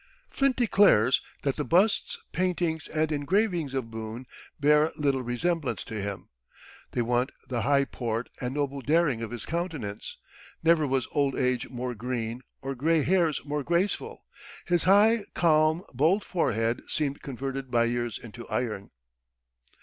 Flint declares that the busts, paintings, and engravings of Boone bear little resemblance to him. "They want the high port and noble daring of his countenance.... Never was old age more green, or gray hairs more graceful. His high, calm, bold forehead seemed converted by years into iron."